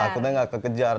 takutnya nggak kekejar